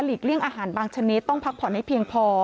เลี่ยงอาหารบางชนิดต้องพักผ่อนให้เพียงพอ